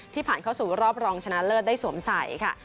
ผ่านเข้าสู่รอบรองชนะเลิศได้สวมใส่ค่ะ